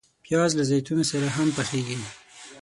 پیاز له زیتونو سره هم پخیږي